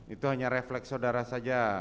itu hanya refleks saudara saja